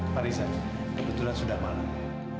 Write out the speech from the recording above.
pak riza kebetulan sudah malam